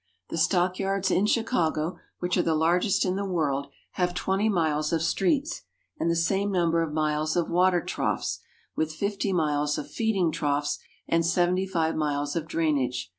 The stock yards in Chicago, which are the largest in the world, have 20 miles of streets, and the same number of miles of water troughs, with 50 miles of feeding troughs, and 75 miles of drainage.